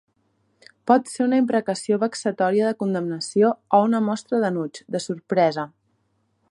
Pot ser una imprecació vexatòria, de condemnació, o una mostra d'enuig, de sorpresa.